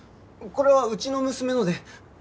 これはうちの娘ので。